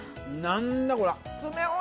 何だこら。